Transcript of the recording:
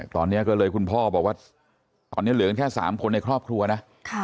ตอนนี้ก็เลยคุณพ่อบอกว่าตอนนี้เหลือกันแค่๓คนในครอบครัวนะ